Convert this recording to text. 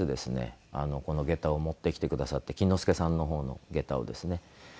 この下駄を持ってきてくださって錦之介さんの方の下駄をですね。